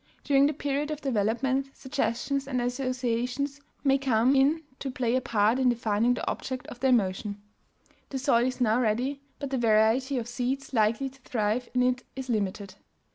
During the period of development suggestion and association may come in to play a part in defining the object of the emotion; the soil is now ready, but the variety of seeds likely to thrive in it is limited.